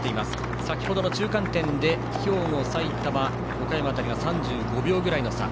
先程の中間点で兵庫、埼玉、岡山辺りが３５秒ぐらいの差。